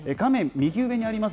右上にあります